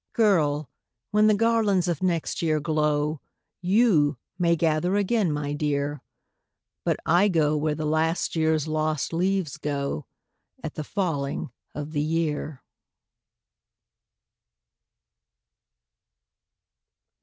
Girl! when the garlands of next year glow, YOU may gather again, my dear But I go where the last year's lost leaves go At the falling of the year."